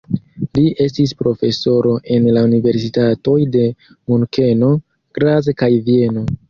Li estis profesoro en la universitatoj de Munkeno, Graz kaj Vieno.